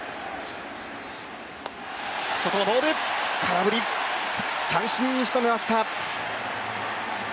外のボール、空振り、三振に仕留めました。